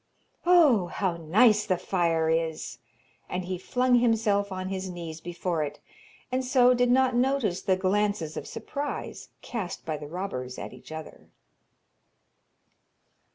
Oh, how nice the fire is!' And he flung himself on his knees before it, and so did not notice the glances of surprise cast by the robbers at each other.